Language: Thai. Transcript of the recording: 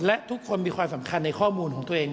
และทุกคนมีความสำคัญในข้อมูลของตัวเอง